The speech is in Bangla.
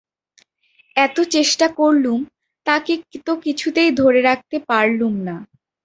এত চেষ্টা করলুম, তাঁকে তো কিছুতে ধরে রাখতে পারলুম না।